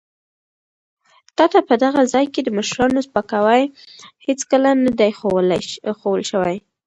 تا ته په دغه ځای کې د مشرانو سپکاوی هېڅکله نه دی ښوول شوی.